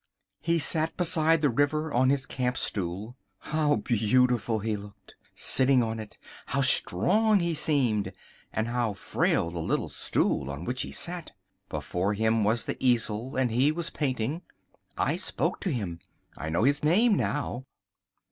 He sat beside the river on his camp stool. How beautiful he looked, sitting on it: how strong he seemed and how frail the little stool on which he sat. Before him was the easel and he was painting. I spoke to him. I know his name now.